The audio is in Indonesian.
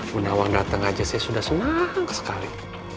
bunawang datang aja saya sudah senang sekali